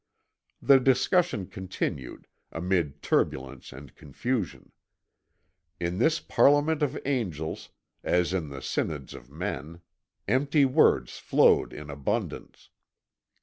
The discussion continued, amid turbulence and confusion. In this parliament of angels, as in the synods of men, empty words flowed in abundance.